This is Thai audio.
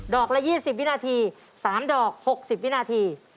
อกละ๒๐วินาที๓ดอก๖๐วินาที